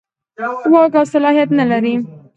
واک او صلاحیت نه لري.